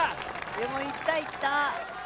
でもいったいった。